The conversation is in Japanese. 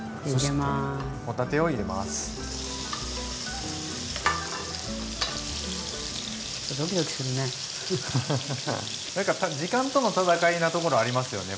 なんか時間との闘いなところありますよね